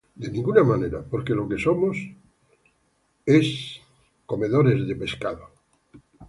En ninguna manera. Porque los que somos muertos al pecado